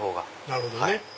なるほどね。